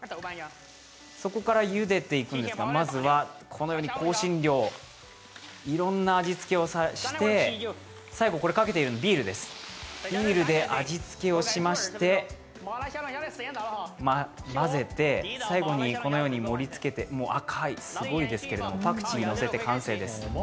そこからゆでていくんですがまずはこのように香辛料、いろんな味付けをして最後かけているのはビールです、ビールで味付けをしまして、まぜて、最後に盛りつけて赤いですけどパクチーをのせて完成です。